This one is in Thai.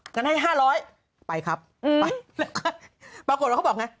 กันให้๕๐๐ไปครับไปแล้วก็ปรากฏว่าเขาบอกไง